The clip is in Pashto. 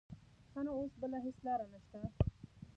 ښه نو اوس بله هېڅ لاره نه شته.